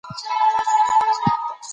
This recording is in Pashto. ژبه زموږ د احساساتو آینه ده.